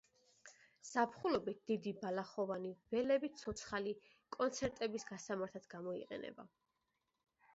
ზაფხულობით დიდი ბალახოვანი ველები ცოცხალი კონცერტების გასამართად გამოიყენება.